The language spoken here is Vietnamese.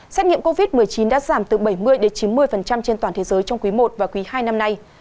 xét nghiệm covid một mươi chín đã giảm từ bảy mươi chín mươi trên toàn thế giới trong quý i và quý hai năm nay